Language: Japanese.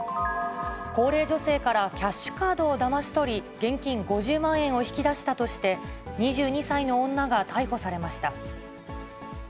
高齢女性からキャッシュカードをだまし取り、現金５０万円を引き出したとして２２歳の女が逮捕されました。